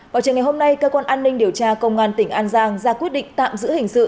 vào trường ngày hôm nay cơ quan an ninh điều tra công an tỉnh an giang ra quyết định tạm giữ hình sự